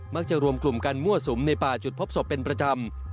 รวมกลุ่มกันมั่วสุมในป่าจุดพบศพเป็นประจำ